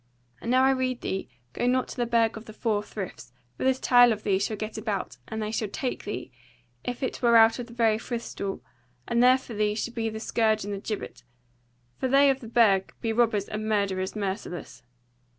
And now I rede thee go not to the Burg of the Four Friths; for this tale of thee shall get about and they shall take thee, if it were out of the very Frith stool, and there for thee should be the scourge and the gibbet; for they of that Burg be robbers and murderers merciless.